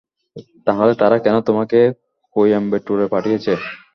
তাহলে তারা কেন তোমাকে কোয়েম্বাটুরে পাঠিয়েছে?